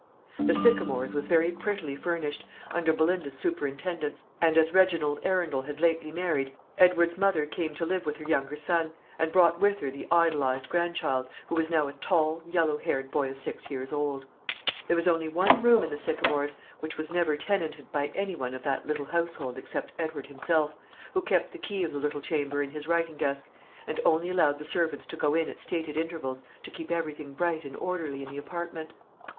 The Sycamores was very prettily furnished, under Belinda's superintendence; and as Reginald Arundel had lately married, Edward's mother came to live with her younger son, and brought with her the idolised grandchild, who was now a tall, yellow haired boy of six years old. There was only one room in the Sycamores which was never tenanted by any one of that little household except Edward himself, who kept the key of the little chamber in his writing desk, and only allowed the servants to go in at stated intervals to keep everything bright and orderly in the apartment.